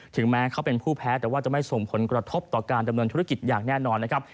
แม้เขาเป็นผู้แพ้แต่ว่าจะไม่ส่งผลกระทบต่อการดำเนินธุรกิจอย่างแน่นอนนะครับ